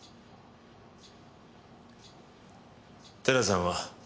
寺さんは？